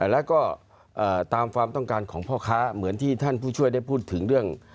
แล้วก็ตามความต้องการของพ่อค้าเหมือนที่ท่านผู้ช่วยได้พูดถึงเรื่อง